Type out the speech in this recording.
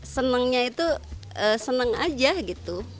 senangnya itu senang aja gitu